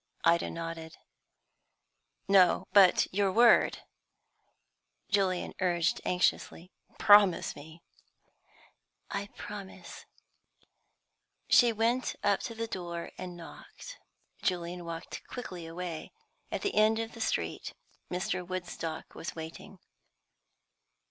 Ida nodded. "No; but your word," Julian urged anxiously. "Promise me." "I promise." She went up to the door and knocked. Julian walked quickly away. At the end of the street Mr. Woodstock was waiting.